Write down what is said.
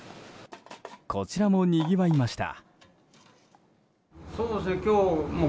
こちらもにぎわいました。